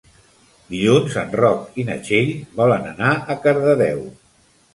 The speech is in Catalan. Dilluns en Roc i na Txell volen anar a Cardedeu.